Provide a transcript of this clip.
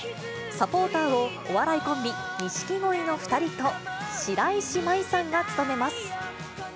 サポーターをお笑いコンビ、錦鯉の２人と白石麻衣さんが務めます。